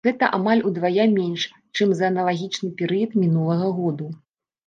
Гэта амаль удвая менш, чым за аналагічны перыяд мінулага году.